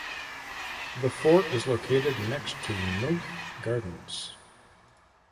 The fort is located next to Nothe Gardens.